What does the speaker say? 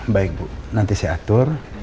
baik bu nanti saya atur